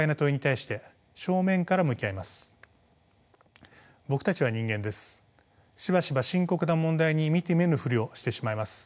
しばしば深刻な問題に見て見ぬふりをしてしまいます。